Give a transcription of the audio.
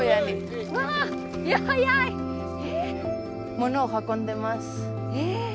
物を運んでます。